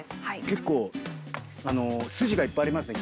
結構筋がいっぱいありますね